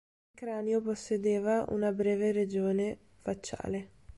Il cranio possedeva una breve regione facciale.